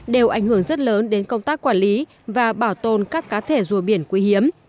đều ảnh hưởng rất lớn đến công tác quản lý và bảo tồn các cá thể rùa biển quý hiếm